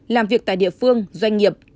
làm việc tại địa phương doanh nghiệp